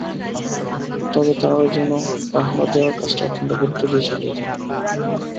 তবে তাঁরা যেন পাহারা দেওয়ার কাজটা অত্যন্ত গুরুত্ব দিয়ে চালিয়ে যান।